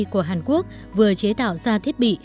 của hàn quốc vừa chế tạo ra thiết bị